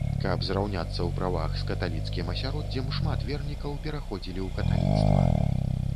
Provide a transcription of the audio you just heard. Каб зраўняцца ў правах з каталіцкім асяроддзем, шмат вернікаў пераходзілі ў каталіцтва.